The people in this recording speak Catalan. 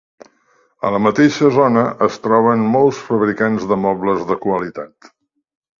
A la mateixa zona es troben molts fabricants de mobles de qualitat.